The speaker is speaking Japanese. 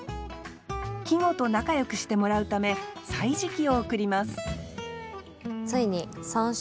季語と仲よくしてもらうため「歳時記」を贈ります